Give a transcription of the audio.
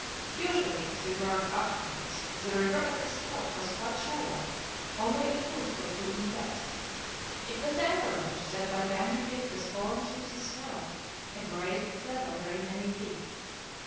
Usually, as we learned afterwards, the river at this spot was quite shallow; only a foot or two in depth. It was the avalanche that by damming it with fallen heaps of snow had raised its level very many feet.